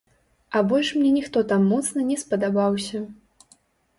А больш мне ніхто там моцна не спадабаўся.